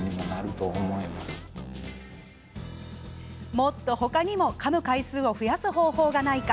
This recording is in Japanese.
もっと他にもかむ回数を増やす方法がないか。